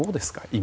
今。